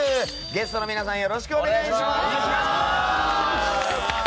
ゲストの皆さんよろしくお願いします。